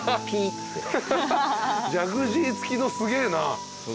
ジャグジー付きのすげえな。